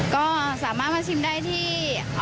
ก็สามารถมาชิมได้ที่